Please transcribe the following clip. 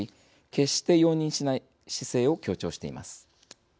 決して容認しない姿勢を強調しています。